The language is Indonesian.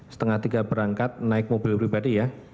setengah tiga berangkat naik mobil pribadi ya